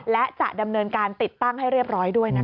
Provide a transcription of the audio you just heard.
และจะดำเนินการติดตั้งให้เรียบร้อยด้วยนะคะ